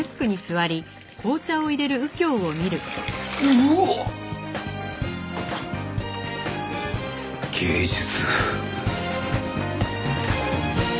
うわっ！芸術。